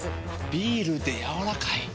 ビールでやわらかい。